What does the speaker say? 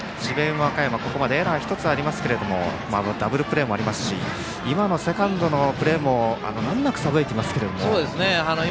和歌山はここまでエラーが１つありますけれどもダブルプレーもありましたし今のセカンドのプレーも難なくさばいていますが。